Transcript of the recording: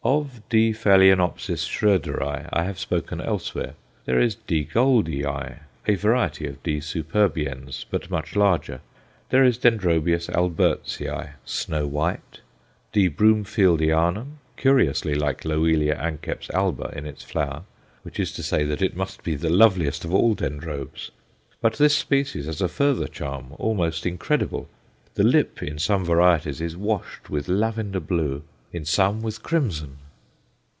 Of D. phaloenopsis Schroederi I have spoken elsewhere. There is D. Goldiei; a variety of D. superbiens but much larger. There is D. Albertesii, snow white; D. Broomfieldianum, curiously like Loelia anceps alba in its flower which is to say that it must be the loveliest of all Dendrobes. But this species has a further charm, almost incredible. The lip in some varieties is washed with lavender blue, in some with crimson!